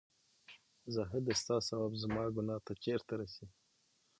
زاهـده سـتـا ثـواب زمـا ګـنـاه تـه چېرته رسـي